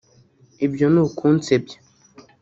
Ibyo ni ukunsebya